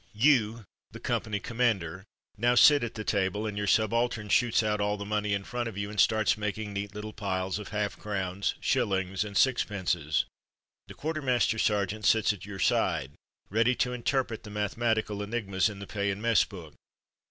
You, the company commander, now sit at the 28 From Mud to Mufti table, and your subaltern shoots out all the money in front of you and starts making neat little piles of half crowns, shillings, and sixpences. The quartermaster sergeant sits at your side, ready to interpret the mathe matical enigmas in the pay and mess book.